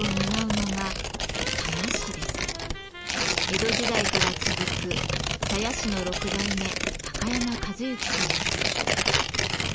江戸時代から続く鞘師の６代目山一之さんです。